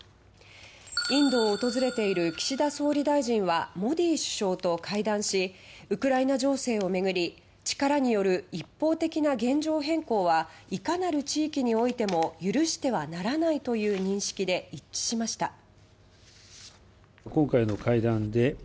インドを訪れている岸田総理大臣はモディ首相と会談しウクライナ情勢を巡り力による一方的な現状変更はいかなる地域においても許してはならないという認識で一致しました。